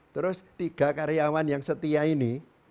terus tiga karyawan yang setia ini